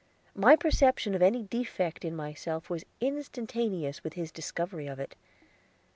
My perception of any defect in myself was instantaneous with his discovery of it.